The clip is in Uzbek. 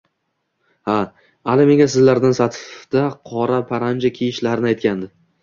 Ha, Ali menga sizlarda Satifda qora paranji kiyishlarini aytgandi